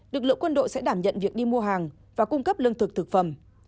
lực lượng quân đội sẽ đảm nhận việc đi mua hàng và cung cấp lương thực thực phẩm